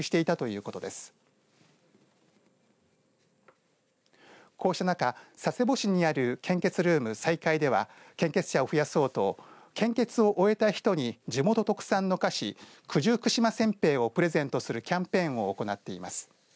こうした中、佐世保市にある献血ルーム、西海では献血者を増やそうと献血を終えた人に地元特産の菓子九十九島せんべいをプレゼントするキャンペーンを行っています。